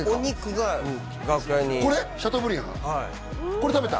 これ食べた？